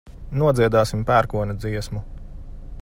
Nodziedāsim pērkona dziesmu.